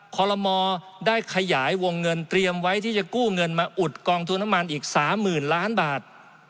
คอลโลมได้ขยายวงเงินเตรียมไว้ที่จะกู้เงินมาอุดกองทุนน้ำมันอีก๓๐๐๐ล้านบาท